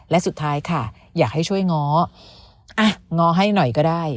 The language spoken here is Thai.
และสุดท้ายค่ะอยากให้ช่วยง้ออ่ะง้อให้หน่อยก็ได้